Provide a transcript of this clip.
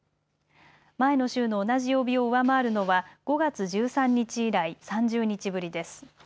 前の週の同じ曜日を上回るのは５月１３日以来、３０日ぶりです。